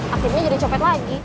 akhirnya jadi copet lagi